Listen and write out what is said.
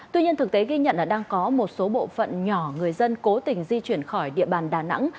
tuy nhiên thực tế ghi nhận là đang có một số bộ phận nhỏ người dân cố tình di chuyển khỏi địa bàn đà nẵng